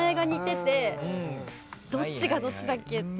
どっちがどっちだっけって。